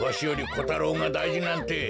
コタロウがだいじなんて。